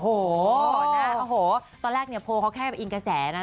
โอ้โหตอนแรกโพสต์เขาแค่อิงกับแสน